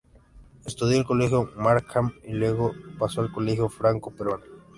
Estudió en el Colegio Markham y luego pasó al Colegio Franco-Peruano.